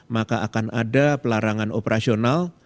maka akan ada pelarangan operasional